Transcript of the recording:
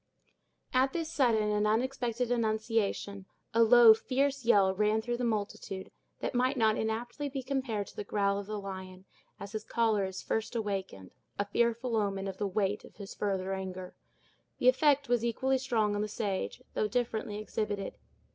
At this sudden and unexpected annunciation, a low, fierce yell ran through the multitude, that might not inaptly be compared to the growl of the lion, as his choler is first awakened—a fearful omen of the weight of his future anger. The effect was equally strong on the sage, though differently exhibited.